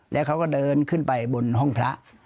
แล้วเขาก็เดินขึ้นไปบนห้องพระ